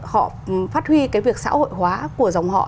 họ phát huy cái việc xã hội hóa của dòng họ